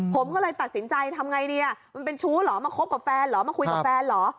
ผมก็เลยตัดสินใจทำไงเนี่ยมันเป็นชู้เหรอมาคบกับแฟนเหรอมาคุยกับแฟนเหรอ